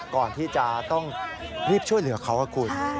ก่อนที่จะต้องรีบช่วยเหลือเขาคุณ